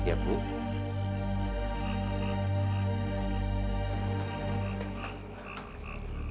saya dah berpimpin leukist ini